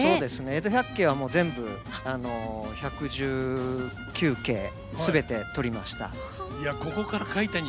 「江戸百景」はもう全部１１９景全て撮りました。